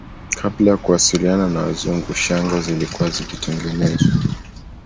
Kabla ya kuwasiliana na Wazungu shanga zilikuwa zikitengenezwa